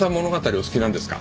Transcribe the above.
お好きなんですか？